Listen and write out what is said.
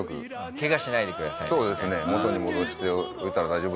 ケガしないでくださいみたいな。